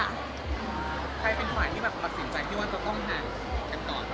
ใครเป็นผ่านที่ประสิทธิ์ใจที่ว่าต้องหาแบบนั้น